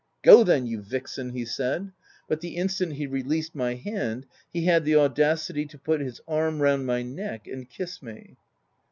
" Go then, you vixen!" he said; but the instant he released my hand, he had the auda city to put his arm round my neck and kiss me.